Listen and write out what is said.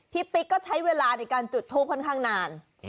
ติ๊กก็ใช้เวลาในการจุดทูปค่อนข้างนาน